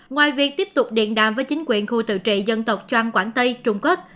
ngoài việc tiếp tục điện đàm với chính quyền khu tự trị dân tộc trang quảng tây trung quốc